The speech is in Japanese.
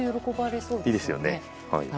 いいですよよね。